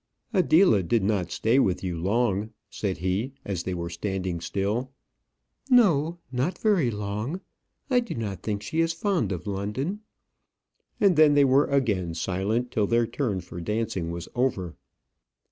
"Adela did not stay with you long," said he, as they were standing still. "No, not very long. I do not think she is fond of London;" and then they were again silent till their turn for dancing was over.